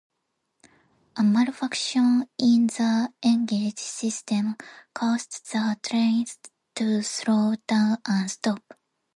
A malfunction in the engine system caused the train to slow down and stop.